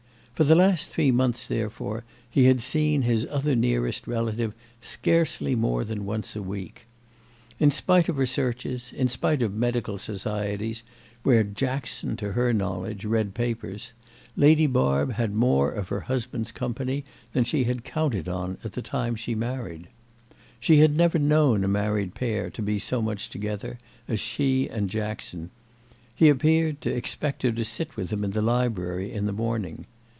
For the last three months, therefore, he had seen his other nearest relative scarcely more than once a week. In spite of researches, in spite of medical societies, where Jackson, to her knowledge, read papers, Lady Barb had more of her husband's company than she had counted on at the time she married. She had never known a married pair to be so much together as she and Jackson; he appeared to expect her to sit with him in the library in the morning.